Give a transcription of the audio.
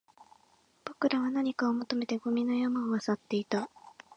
僕らは何かを求めてゴミの山を漁っていた